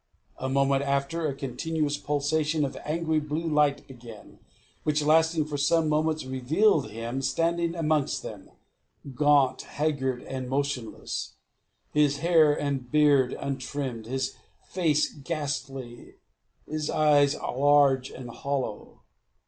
A moment after, a continuous pulsation of angry blue light began, which, lasting for some moments, revealed him standing amidst them, gaunt, haggard, and motionless; his hair and beard untrimmed, his face ghastly, his eyes large and hollow.